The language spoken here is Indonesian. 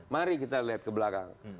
mari kita lihat ke belakang